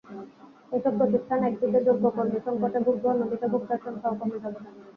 এসব প্রতিষ্ঠান একদিকে যোগ্য কর্মী-সংকটে ভুগবে, অন্যদিকে ভোক্তার সংখ্যাও কমে যাবে।